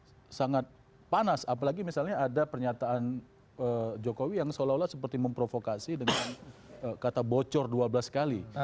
itu sangat panas apalagi misalnya ada pernyataan jokowi yang seolah olah seperti memprovokasi dengan kata bocor dua belas kali